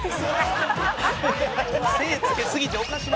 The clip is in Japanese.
「精つけすぎておかしなってる」